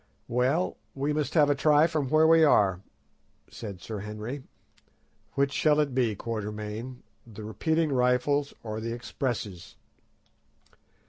"Well, we must have a try from where we are," said Sir Henry. "Which shall it be, Quatermain, the repeating rifles or the expresses?"